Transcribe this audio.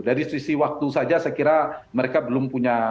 dari sisi waktu saja saya kira mereka belum punya